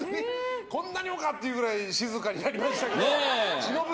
こんなにもかっていう静かになりましたけど。